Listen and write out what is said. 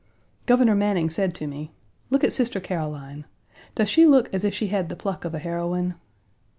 Governor Manning said to me: "Look at Sister Caroline. Does she look as if she had the pluck of a heroine?"